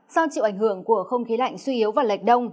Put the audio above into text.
do chịu ảnh hưởng của không khí lạnh suy yếu và lệch đông